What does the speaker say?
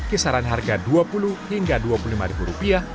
kisaran harga dua puluh hingga dua puluh lima ribu rupiah